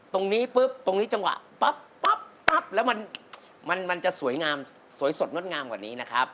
ตรงนี้ปุ๊บตรงนี้จังหวะปั๊บปั๊บแล้วมันจะสวยงามสวยสดงดงามกว่านี้นะครับ